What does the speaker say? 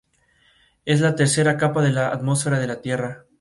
Es la tercera capa de la atmósfera de la Tierra.